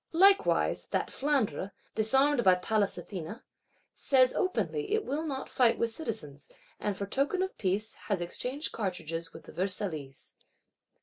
Likewise that Flandre, disarmed by Pallas Athene, says openly, it will not fight with citizens; and for token of peace, has exchanged cartridges with the Versaillese.